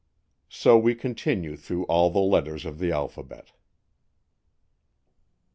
So we continue through all the letters of the alphabet.